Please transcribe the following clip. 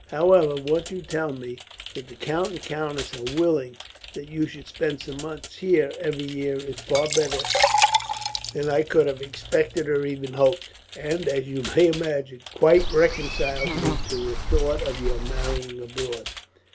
However, what you tell me, that the count and countess are willing that you should spend some months here, every year, is far better than I could have expected or even hoped; and, as you may imagine, quite reconciles me to the thought of your marrying abroad.